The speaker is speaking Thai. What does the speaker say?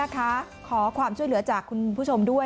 ขอความช่วยเหลือจากคุณผู้ชมด้วย